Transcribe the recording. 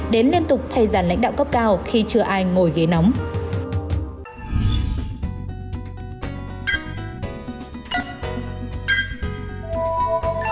đến liên tục thay giàn lãnh đạo cấp cao khi chưa ai ngồi ghế nóng